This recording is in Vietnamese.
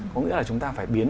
có nghĩa là chúng ta phải biến